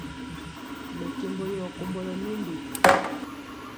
Mɛkembɔ yɔ kombolɔ numbi.